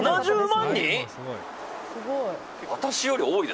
７０万人？